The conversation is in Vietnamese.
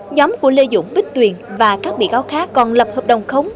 nhóm của lê dũng bích tuyền và các bị cáo khác còn lập hợp đồng khống